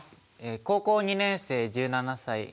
高校２年生１７歳。